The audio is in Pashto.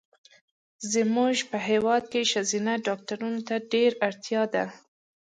زمونږ په هېواد کې ښځېنه ډاکټرو ته ډېره اړتیا ده